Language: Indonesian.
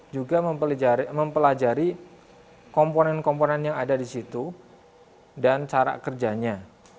juga mempelajari komponen komponen yang ada di situ dan cara kerjanya